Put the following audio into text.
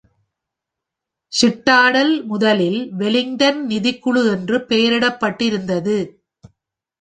Citadel முதலில் Wellington நிதிக் குழு என்று பெயரிடப்பட்டு இருந்தது.